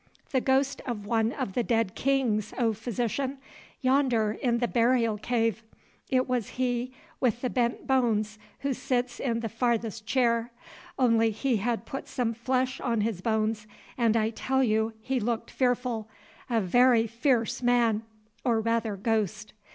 "The ghost of one of the dead kings, O Physician, yonder in the burial cave. It was he with the bent bones who sits in the farthest chair. Only he had put some flesh on his bones, and I tell you he looked fearful, a very fierce man, or rather ghost."